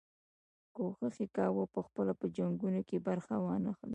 کوښښ یې کاوه پخپله په جنګونو کې برخه وانه خلي.